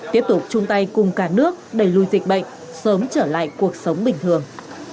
tiếp tục chung tay cùng cả nước đẩy lùi dịch bệnh sớm trở lại cuộc sống bình thường